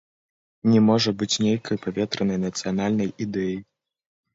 Не можа быць нейкай паветранай нацыянальнай ідэі.